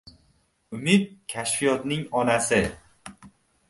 • Umid ― kashfiyotning onasi.